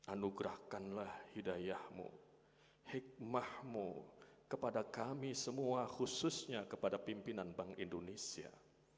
anugerahkanlah hidayahmu hikmahmu kepada kami semua khususnya kepada pimpinan bank indonesia